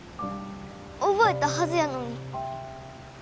覚えたはずやのに。